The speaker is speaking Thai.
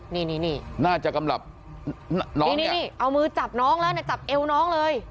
นี่นี่นี่น่าจะกำลับนี่นี่นี่เอามือจับน้องแล้วจับเอวน้องเลย